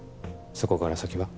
そこから先は？